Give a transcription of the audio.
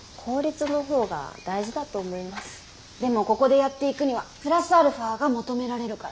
でもここでやっていくにはプラスアルファが求められるから。